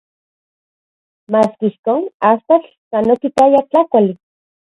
Maski ijkon, astatl san okitaya tlakuali.